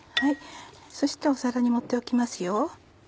そして皿に盛っておきますよ。